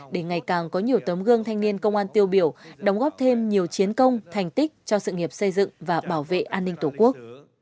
để ngày càng có nhiều tấm gương thanh niên công an tiêu biểu đóng góp thêm nhiều chiến công thành tích cho sự nghiệp xây dựng và bảo vệ an ninh tổ quốc